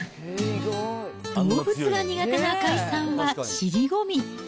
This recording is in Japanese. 動物が苦手な赤井さんは尻込み。